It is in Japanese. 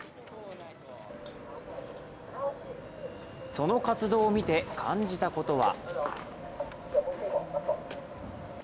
その活動を見て感じたことは。